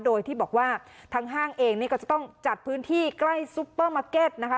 โดยที่บอกว่าทางห้างเองนี่ก็จะต้องจัดพื้นที่ใกล้ซุปเปอร์มาร์เก็ตนะคะ